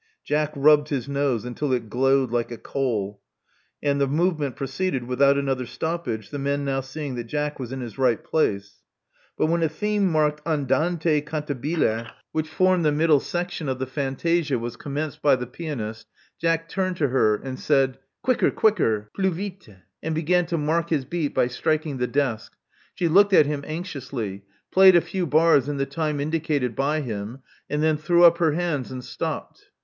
Jack rubbed his nose until it glowed like a coal; and the movement proceeded without another stoppage, the men now seeing that Jack was in his right place. But when a theme marked andante cantabile^ which 176 Love Among the Artists formed the middle section of the fantasia, was com menced by the pianist, Jack turned to her; said Quicker, quicker. Plus vite''; and began to mark his beat by striking the desk. She looked at him anxiously; played a few bars in the time indicated by him ; and then threw up her hands and stopped.